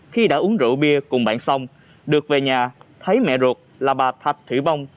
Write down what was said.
khi đã uống rượu bia cùng bạn song được về nhà thấy mẹ ruột là bà thạch thủy bông